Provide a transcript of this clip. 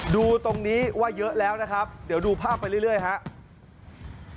ดูตรงนี้ว่าเยอะแล้วนะครับเดี๋ยวดูภาพไปเรื่อยครับ